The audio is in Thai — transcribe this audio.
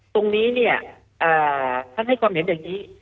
ตรงนี้เนี่ยท่านให้ความเห็นอย่างนี้